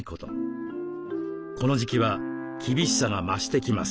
この時期は厳しさが増してきます。